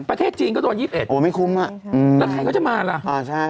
ประเทศจีนก็โดน๒๑โอ้ไม่คุ้มอ่ะอืมแล้วใครเขาจะมาล่ะอ่าใช่